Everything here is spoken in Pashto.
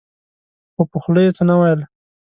خو په خوله يې څه نه ويل.